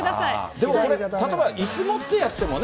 でもこれ、例えばいす持ってやってもね。